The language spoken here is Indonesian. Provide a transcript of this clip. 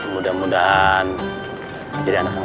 mudah mudahan jadi anda sangat sholay